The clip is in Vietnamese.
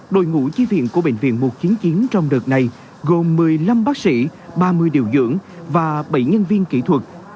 đội ngũ chi viện của bệnh viện một chiến chiến trong đợt này gồm một mươi năm bác sĩ ba mươi điều dưỡng và bảy nhân viên kỹ thuật